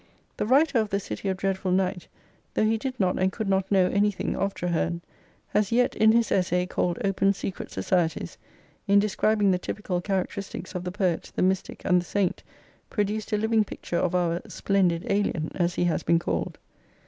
The writer of The City of Dreadful Night," though he did not and could not know anything of Traherne, has yet, in his essay called " Open Secret Societies," in describing the typical characteristics of the Poet, the Mystic, and the Saint, produced a living picture of our splendid alien," as he has been called.